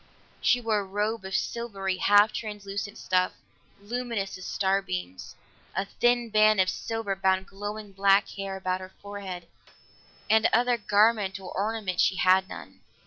She wore a robe of silvery, half translucent stuff, luminous as starbeams; a thin band of silver bound glowing black hair about her forehead, and other garment or ornament she had none.